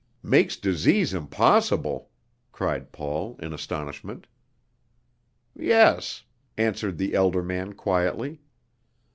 "Makes disease impossible!" cried Paul in astonishment. "Yes," answered the elder man quietly.